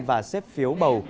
và xếp phiếu bầu